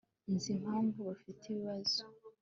nzi impamvu bafite ibibazo